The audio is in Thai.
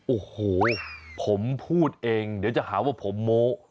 โอ้โหผมพูดเองเดี๋ยวจะหาว่าผมโม้